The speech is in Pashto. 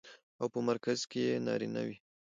او په مرکز کې يې نارينه وي.